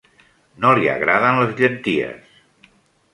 No li agraden les llenties.